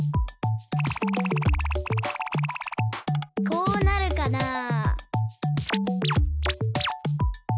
こうなるかなあ。